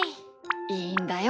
いいんだよ。